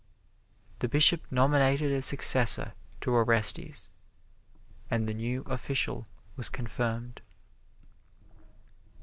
The Bishop nominated a successor to Orestes, and the new official was confirmed.